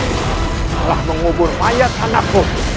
telah mengubur mayat anakku